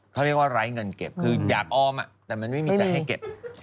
เขาเรียกว่าไร้เงินเก็บคืออยากออมแต่มันไม่มีจะให้เก็บ